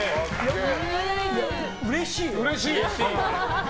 うれしいよ。